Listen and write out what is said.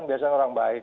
biasanya orang baik